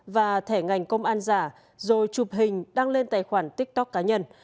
và thẻ ngành công an giả rồi chụp hình đăng lên tài khoản tiktok cá nhân